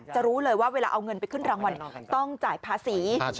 รู้เลยว่าเวลาเอาเงินไปขึ้นรางวัลต้องจ่ายภาษี